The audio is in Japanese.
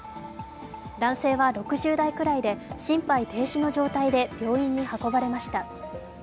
男性は６０代くらいで、心肺停止の状態で病院に運ばれました。